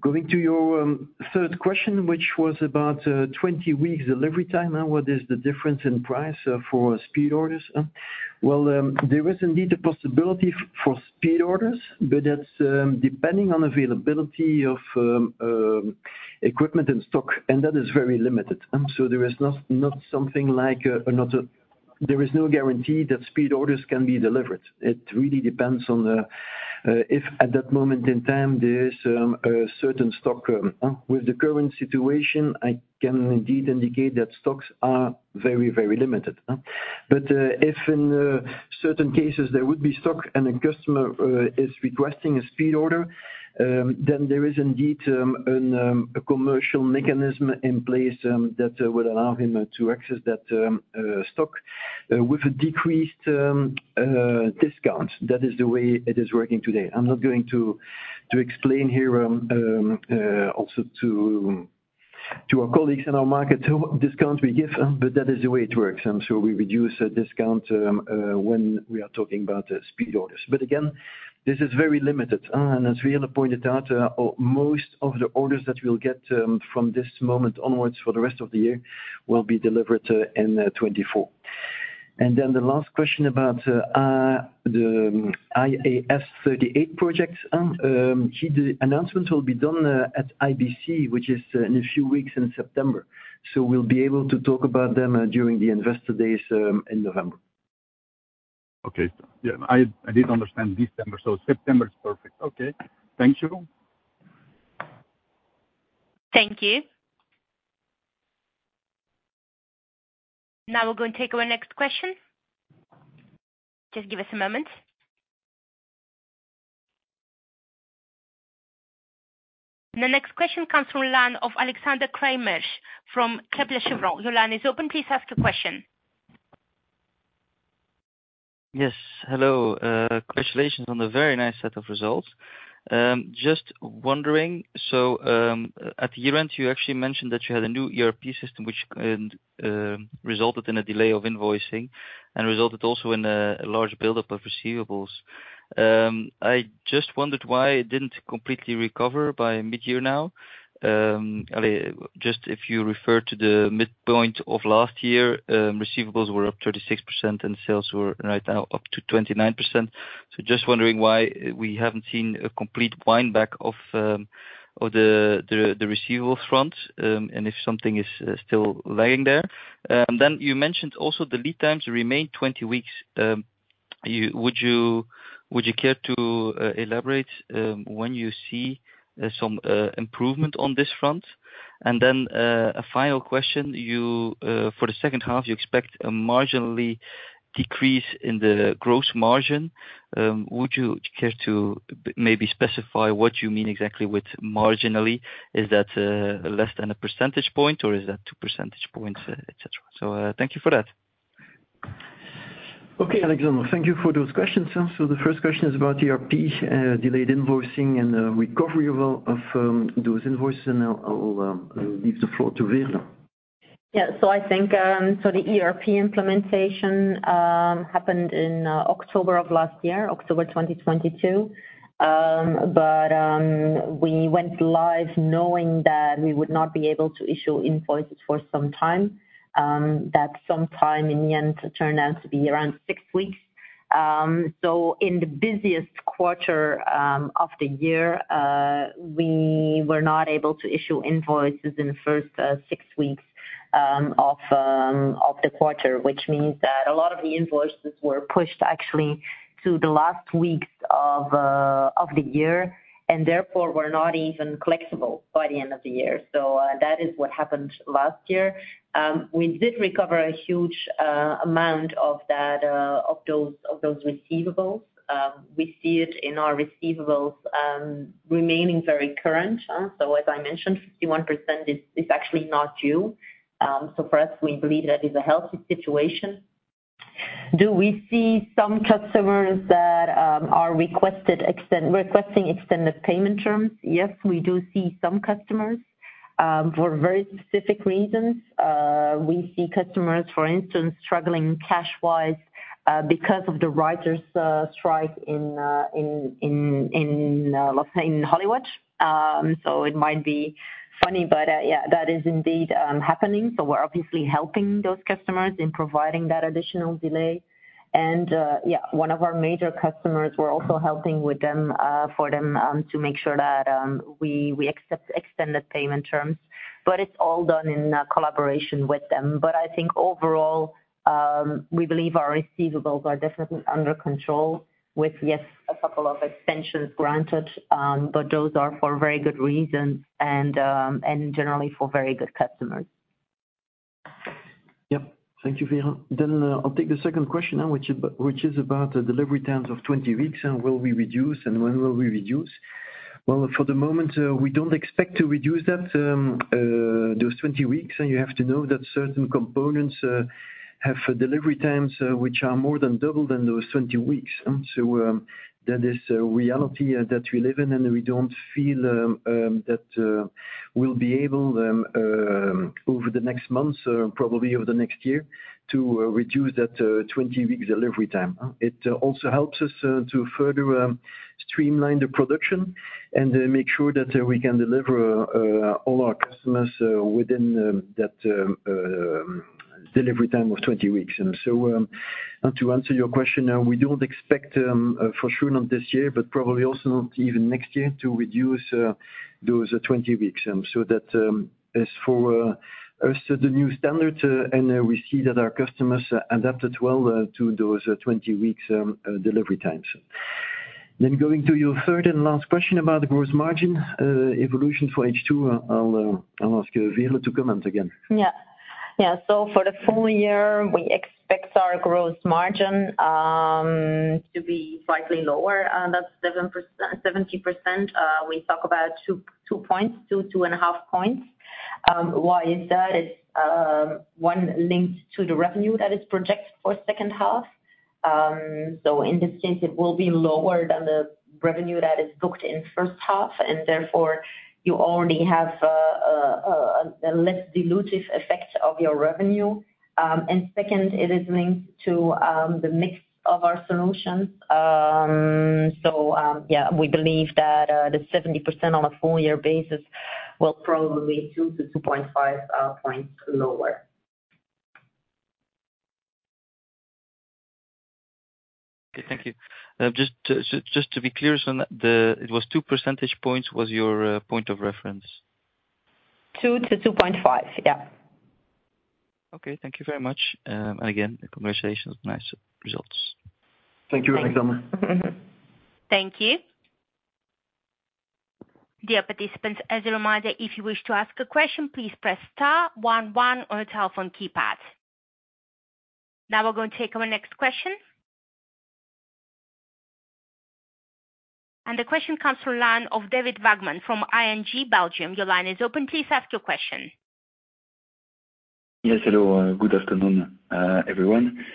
Going to your third question, which was about 20 weeks delivery time, and what is the difference in price for speed orders? Well, there is indeed a possibility for speed orders, but that's depending on availability of equipment and stock, and that is very limited. There is not, not something like there is no guarantee that speed orders can be delivered. It really depends on the if at that moment in time there is a certain stock. With the current situation, I can indeed indicate that stocks are very, very limited. If in certain cases there would be stock and a customer is requesting a speed order, then there is indeed a commercial mechanism in place that would allow him to access that stock with a decreased discount. That is the way it is working today. I'm not going to, to explain here also to, to our colleagues in our market what discount we give, but that is the way it works. We reduce a discount when we are talking about speed orders. Again, this is very limited. As Veerle pointed out, most of the orders that we'll get from this moment onwards for the rest of the year, will be delivered in 2024. The last question about the IAS 38 projects, the announcement will be done at IBC, which is in a few weeks in September. We'll be able to talk about them during the investor days in November. Okay. Yeah, I did understand December, so September is perfect. Okay. Thank you. Thank you. Now we're going to take our next question. Just give us a moment. The next question comes from line of Alexander Craeymeersch, from Kepler Cheuvreux. Your line is open, please ask your question. Yes, hello. Congratulations on the very nice set of results. At the year-end, you actually mentioned that you had a new ERP system which resulted in a delay of invoicing and resulted also in a large buildup of receivables. I just wondered why it didn't completely recover by mid-year now. Just if you refer to the midpoint of last year, receivables were up 36% and sales were right now up to 29%. Just wondering why we haven't seen a complete wind back of the receivable front and if something is still lying there. You mentioned also the lead times remain 20 weeks. Would you, would you care to elaborate when you see some improvement on this front? Then, a final question: you, for the second half, you expect a marginally decrease in the gross margin. Would you care to maybe specify what you mean exactly with marginally? Is that less than 1 percentage point, or is that 2 percentage points, et cetera? Thank you for that. Okay, Alexander, thank you for those questions. The first question is about ERP, delayed invoicing and recovery of of those invoices, and I'll, I'll leave the floor to Veerle. I think the ERP implementation happened in October of last year, October 2022. We went live knowing that we would not be able to issue invoices for some time. That some time in the end turned out to be around 6 weeks. In the busiest quarter of the year, we were not able to issue invoices in the first 6 weeks of the quarter, which means that a lot of the invoices were pushed actually to the last weeks of the year, and therefore were not even collectible by the end of the year. That is what happened last year. We did recover a huge amount of that, of those, of those receivables. We see it in our receivables, remaining very current, so as I mentioned, 51% is, is actually not due. For us, we believe that is a healthy situation. Do we see some customers that are requested extend- requesting extended payment terms? Yes, we do see some customers for very specific reasons. We see customers, for instance, struggling cash-wise, because of the writers strike in, in, in, in, let's say, in Hollywood. It might be funny, but yeah, that is indeed happening. We're obviously helping those customers in providing that additional delay. Yeah, one of our major customers, we're also helping with them, for them, to make sure that we, we accept extended payment terms, but it's all done in collaboration with them. I think overall, we believe our receivables are definitely under control with, yes, a couple of extensions granted, but those are for very good reasons and generally for very good customers. Yep. Thank you, Veerle. I'll take the second question now, which is about the delivery times of 20 weeks, and will we reduce, and when will we reduce? Well, for the moment, we don't expect to reduce that, those 20 weeks, and you have to know that certain components have delivery times which are more than double than those 20 weeks. That is a reality that we live in, and we don't feel that we'll be able over the next months, probably over the next year, to reduce that 20-week delivery time. It also helps us to further streamline the production and make sure that we can deliver all our customers within that delivery time of 20 weeks. To answer your question, we don't expect, for sure not this year, but probably also not even next year, to reduce those 20 weeks. That is for also the new standard, and we see that our customers adapted well to those 20 weeks delivery times. Going to your third and last question about the gross margin evolution for H2, I'll ask Veerle to comment again. Yeah. Yeah, for the full year, we expect our gross margin to be slightly lower, that's 70%. We talk about 2-2.5 points. Why is that? It's one linked to the revenue that is projected for H2. In this case, it will be lower than the revenue that is booked in H1, and therefore you already have a less dilutive effect of your revenue. Second, it is linked to the mix of our solutions. Yeah, we believe that the 70% on a full year basis will probably 2-2.5 points lower. Okay, thank you. Just to be clear, the... It was two percentage points was your point of reference? 2-2.5, yeah. Okay, thank you very much. Again, the conversation is nice results. Thank you, Alexander. Thank you. Thank you. Dear participants, as a reminder, if you wish to ask a question, please press star one one on your telephone keypad. Now we're going to take our next question. The question comes from line of David Vagman from ING Belgium. Your line is open. Please ask your question. Yes, hello, good afternoon, everyone.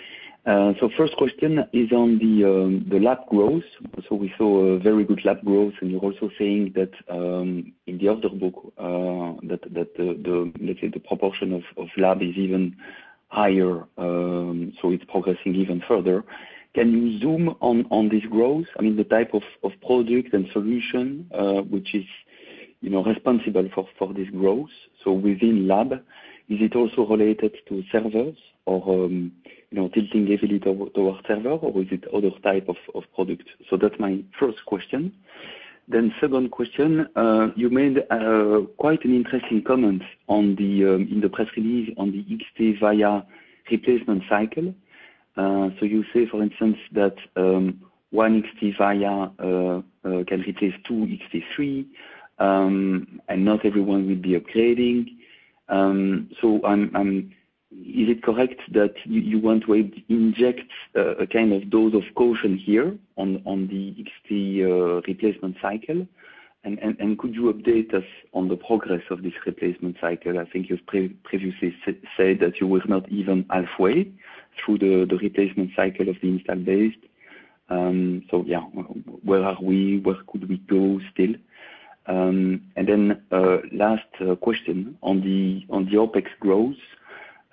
First question is on the LAB growth. We saw a very good LAB growth, and you're also saying that in the order book that, that the, the, let's say, the proportion of, of LAB is even higher, so it's progressing even further. Can you zoom on, on this growth? I mean, the type of, of product and solution, which is, you know, responsible for, for this growth. Within LAB, is it also related to servers or, you know, tilting a little towards server, or was it other type of, of product? That's my first question. Second question, you made quite an interesting comment on the in the press release on the XT-VIA replacement cycle. You say, for instance, that one XT-VIA can replace two XT3, and not everyone will be upgrading. Is it correct that you want to inject a kind of dose of caution here on the XT replacement cycle? Could you update us on the progress of this replacement cycle? I think you've previously said that you were not even halfway through the replacement cycle of the install base. Yeah, where are we? Where could we go still? Last question on the OpEx growth.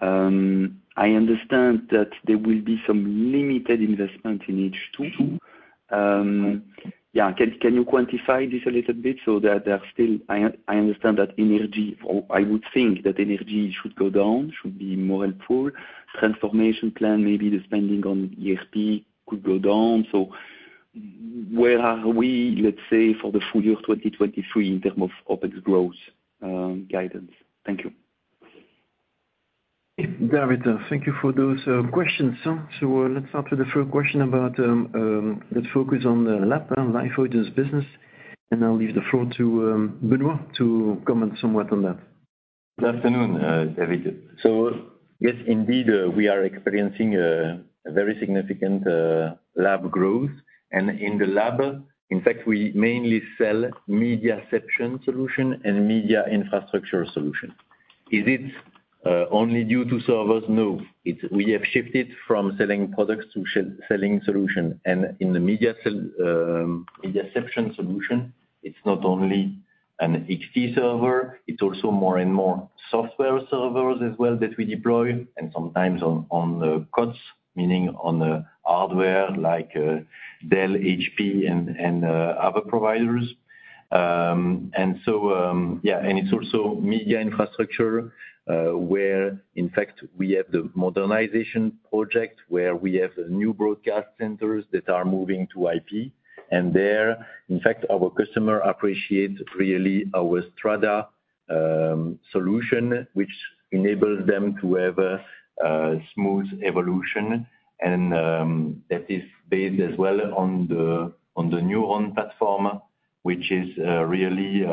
I understand that there will be some limited investment in H2. Can you quantify this a little bit so that there are still... I, I understand that energy, or I would think that energy should go down, should be more helpful. Transformation plan, maybe the spending on ESG could go down. Where are we, let's say, for the full year 2023 in terms of OpEx growth, guidance? Thank you. David, thank you for those questions. Let's start with the first question about, let's focus on the LAB, Live business. I'll leave the floor to Benoît, to comment somewhat on that. Good afternoon, David. Yes, indeed, we are experiencing a very significant LAB growth. In the LAB, in fact, we mainly sell MediaCeption solution and MediaInfra solution. Is it only due to servers? No. We have shifted from selling products to selling solution. In the MediaCeption solution, it's not only an XT server, it's also more and more software servers as well that we deploy, and sometimes on, on the COTS, meaning on the hardware like Dell, HP and other providers. It's also MediaInfra, where in fact we have the modernization project, where we have the new broadcast centers that are moving to IP. There, in fact, our customer appreciates really our MediaInfra Strada solution, which enables them to have a smooth evolution. That is based as well on the, on the new Neuron platform, which is really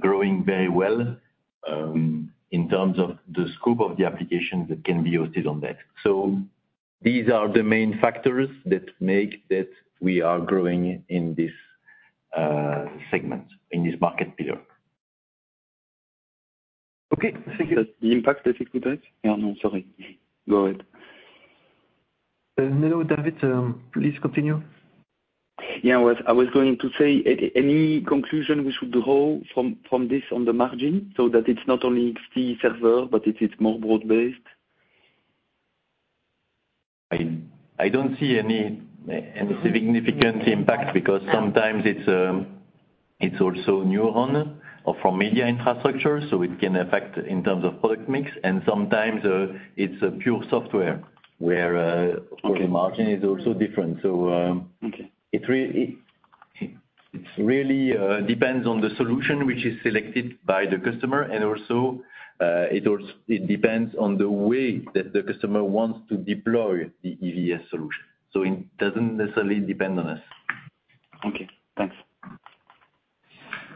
growing very well, in terms of the scope of the application that can be hosted on that. These are the main factors that make that we are growing in this segment, in this market pillar. Okay, thank you. The impact, I think- Yeah, no, sorry. Go ahead. No, David, please continue. Yeah, I was, I was going to say, any conclusion we should draw from, from this on the margin, so that it's not only XT server, but it is more broad-based? I, I don't see any, any significant impact, because sometimes it's, it's also new Neuron or from media infrastructure, so it can affect in terms of product mix, and sometimes, it's a pure software where... Okay the margin is also different. Okay. It really depends on the solution which is selected by the customer, and also, it also, it depends on the way that the customer wants to deploy the EVS solution. It doesn't necessarily depend on us. Okay, thanks.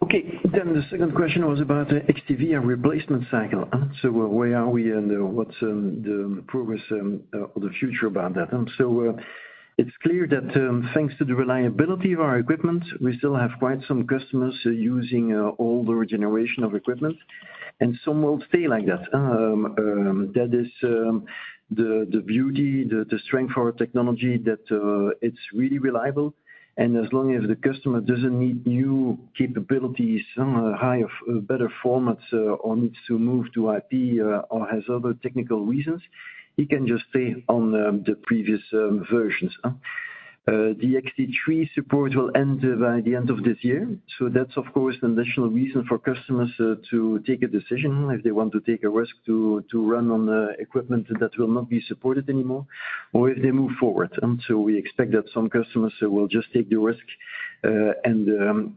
The second question was about XT-VIA and replacement cycle. Where are we and what's the progress or the future about that? It's clear that thanks to the reliability of our equipment, we still have quite some customers using older generation of equipment, and some will stay like that. That is the beauty, the strength of our technology, that it's really reliable. As long as the customer doesn't need new capabilities, high of better formats, or needs to move to IP, or has other technical reasons, he can just stay on the previous versions. The XT3 support will end by the end of this year, that's, of course, an additional reason for customers to take a decision, if they want to take a risk to run on equipment that will not be supported anymore, or if they move forward. We expect that some customers will just take the risk and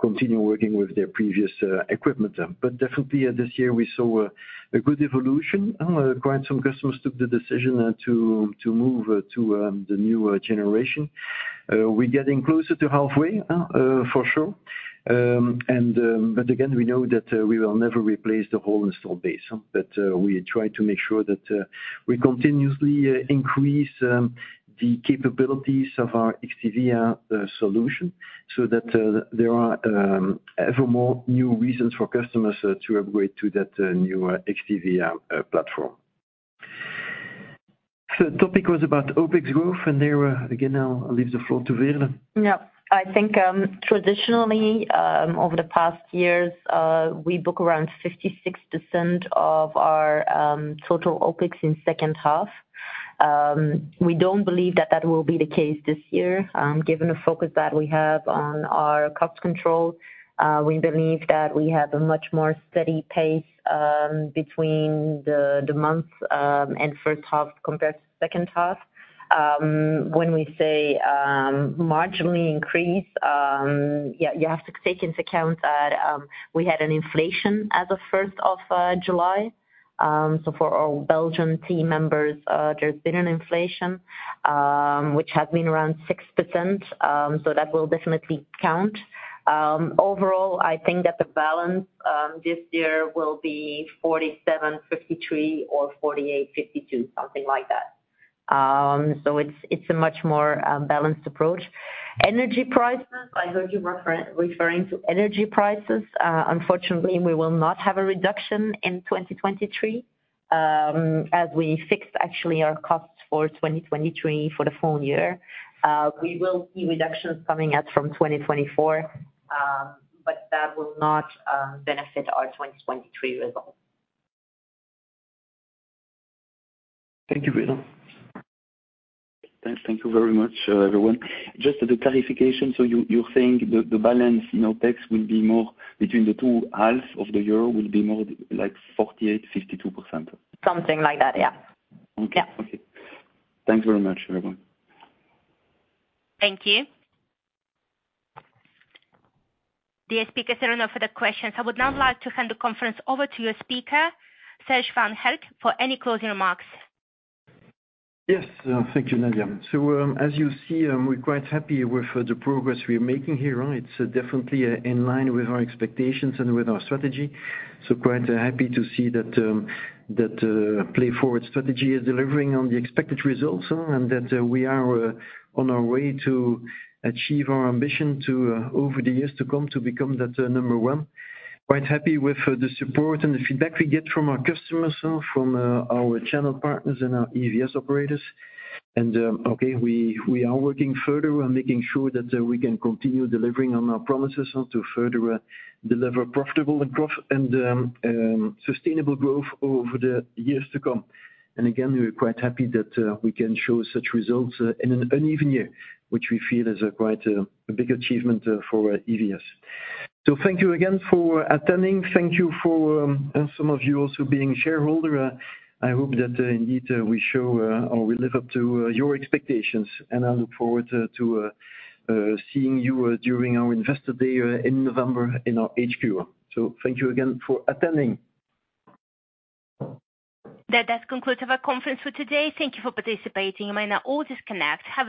continue working with their previous equipment. Definitely, this year we saw a good evolution, quite some customers took the decision to move to the newer generation. We're getting closer to halfway for sure. But again, we know that, we will never replace the whole installed base, but, we try to make sure that, we continuously, increase, the capabilities of our XT-VIA, solution, so that, there are, ever more new reasons for customers, to upgrade to that, newer XT-VIA, platform. Topic was about OpEx growth, and there, again, I'll, I'll leave the floor to Veerle. Yeah. I think, traditionally, over the past years, we book around 56% of our total OpEx in second half. We don't believe that that will be the case this year, given the focus that we have on our cost control. We believe that we have a much more steady pace between the months and first half compared to second half. When we say marginally increase, yeah, you have to take into account that we had an inflation as of first of July. So for our Belgian team members, there's been an inflation, which has been around 6%, so that will definitely count. Overall, I think that the balance this year will be 47-53 or 48-52, something like that. It's, it's a much more balanced approach. Energy prices, I heard you referring to energy prices. Unfortunately, we will not have a reduction in 2023, as we fixed actually our costs for 2023 for the full year. We will see reductions coming out from 2024, but that will not benefit our 2023 results. Thank you, Veerle. Thanks. Thank you very much, everyone. Just the clarification, so you, you're saying the, the balance in OpEx will be more between the two halves of the year will be more like 48%-52%? Something like that, yeah. Okay. Yeah. Okay. Thanks very much, everyone. Thank you. The speakers are enough for the questions. I would now like to hand the conference over to your speaker, Serge Van Herck, for any closing remarks. Yes, thank you, Nadia. As you see, we're quite happy with the progress we're making here, right? It's definitely in line with our expectations and with our strategy. Quite happy to see that that PLAYForward strategy is delivering on the expected results and that we are on our way to achieve our ambition to over the years to come, to become that number one. Quite happy with the support and the feedback we get from our customers, from our channel partners and our EVS operators. Okay, we, we are working further on making sure that we can continue delivering on our promises to further deliver profitable growth and sustainable growth over the years to come. Again, we're quite happy that we can show such results in an uneven year, which we feel is quite a big achievement for EVS. Thank you again for attending. Thank you for, and some of you also being shareholder. I hope that indeed we show or we live up to your expectations. I look forward to seeing you during our Investor Day in November, in our HQ. Thank you again for attending. That does conclude our conference for today. Thank you for participating. You may now all disconnect. Have a nice-